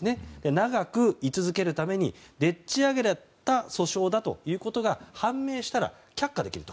長く居続けるためにでっち上げた訴訟だということが判明したら却下できると。